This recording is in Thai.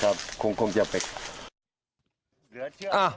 ครับคงจะไป